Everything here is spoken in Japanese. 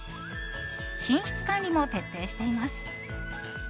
品質管理も徹底しています。